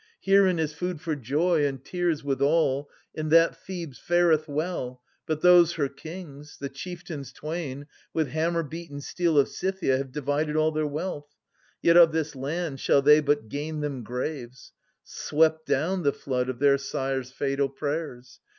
Herein is food for joy and tears withal, In that Thebes fareth well, but those her kings, ^ The chieftains twain, with hammer beaten steel Of Scythia have divided all their wealth : Yet of this land shall they but gain them graves, Swept down the flood of their sire's fatal prayers.